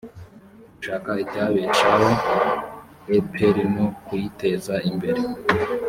gushaka icyabeshaho epr no kuyiteza imbere